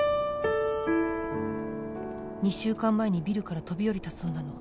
２週間前にビルから飛び降りたそうなの。